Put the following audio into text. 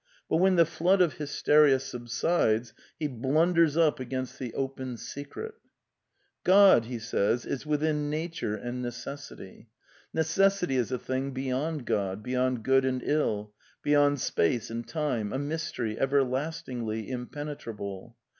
But when the flood of hysteria sub sides, he blunders up against the Open Secret. "* God is within Nature and necessity. Necessity is a thing beyond God — beyond good and ill, beyond space and time, a mystery, everlastingly impenetrable.